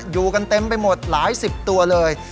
อยู่กันเต็มไปหมดหลายสิบตัวเลย